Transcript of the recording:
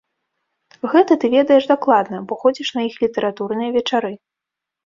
Гэта ты ведаеш дакладна, бо ходзіш на іх літаратурныя вечары.